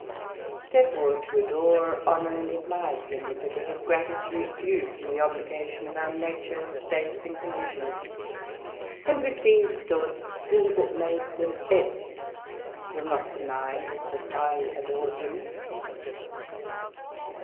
Therefore to adore, honour, and admire him, is a debt of gratitude due from the obligation of our nature, states, and conditions; and with these thoughts, he that knows them best, will not deny that I adore him.